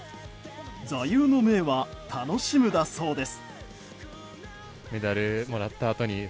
座右の銘は、楽しむだそうです。